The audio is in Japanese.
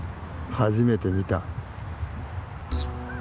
初めて見た。